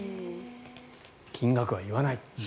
金額は言わない。